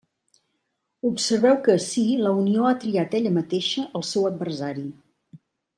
Observeu que ací la Unió ha triat ella mateixa el seu adversari.